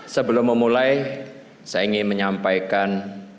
sebelum memulai saya ingin menyampaikan